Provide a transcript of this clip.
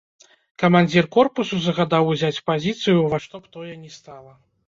Камандзір корпусу загадаў узяць пазіцыю ўва што б тое ні стала.